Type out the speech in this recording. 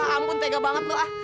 ampun tega banget loh ah